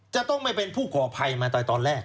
จะต้องไม่เป็นผู้ก่อภัยมาตอนแรก